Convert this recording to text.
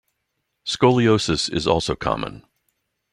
Scoliosis is also common.